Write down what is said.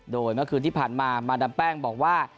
โดยเมื่อคืนที่ผ่านมามาดามแป้งบอกว่า